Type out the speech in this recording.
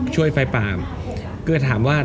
ช่วยไฟปลาก็ถามว่า